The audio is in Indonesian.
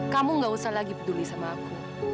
kamu gak usah lagi peduli sama aku